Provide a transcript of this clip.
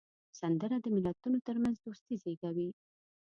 سندره د ملتونو ترمنځ دوستي زیږوي